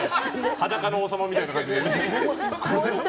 裸の王様みたいな感じでね。